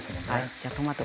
じゃあトマト